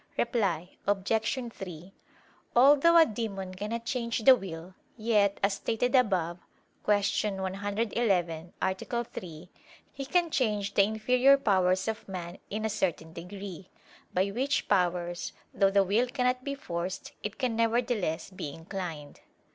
Reply Obj. 3: Although a demon cannot change the will, yet, as stated above (Q. 111, A. 3), he can change the inferior powers of man, in a certain degree: by which powers, though the will cannot be forced, it can nevertheless be inclined.